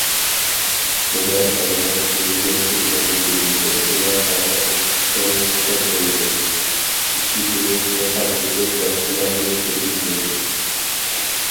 بىرەر بالىنىڭ ئۆيگە كىرگەنلىكىنى كۆرسىلا ھەممە ئويۇنچۇقىنى تىقىپ قويىدۇ، ئىشىكىنى چىڭ تاقىۋېلىپ باشقىلارنى كىرگۈزمەيدۇ.